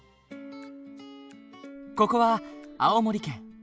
ここは青森県。